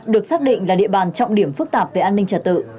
được xác định là địa bàn trọng điểm phức tạp về an ninh trật tự